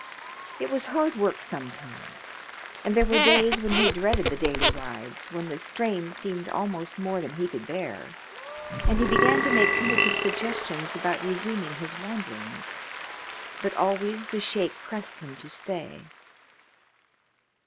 It was hard work sometimes, and there were days when he dreaded the daily rides, when the strain seemed almost more than he could bear, and he began to make tentative suggestions about resuming his wanderings, but always the Sheik pressed him to stay.